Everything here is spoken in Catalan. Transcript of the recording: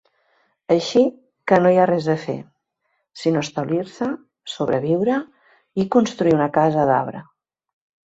Així que no hi ha res a fer, sinó establir-se, sobreviure i construir una casa d'arbre.